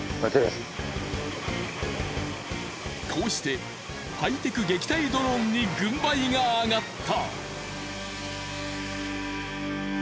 こうしてハイテク撃退ドローンに軍配があがった。